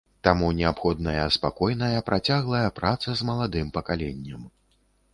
Таму неабходная спакойная, працяглая праца з маладым пакаленнем.